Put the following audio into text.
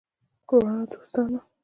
ګرانو دوستانو!